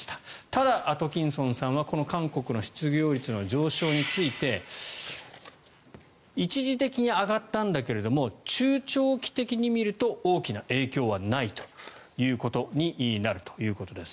ただ、アトキンソンさんはこの韓国の失業率の上昇について一時的に上がったんだけれども中長期的に見ると大きな影響はないということになるということです。